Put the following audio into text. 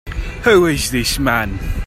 Who is this man?